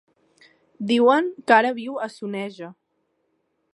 Diuen que ara viu a Soneja.